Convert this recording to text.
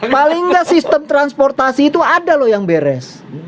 paling nggak sistem transportasi itu ada loh yang beres